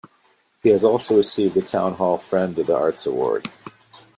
He has also received the Town Hall Friend of the Arts Award.